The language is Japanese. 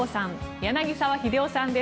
柳澤秀夫さんです。